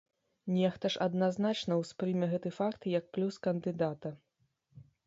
Нехта ж адназначна ўспрыме гэты факт як плюс кандыдата!